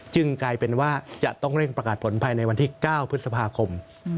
กลายเป็นว่าจะต้องเร่งประกาศผลภายในวันที่๙พฤษภาคม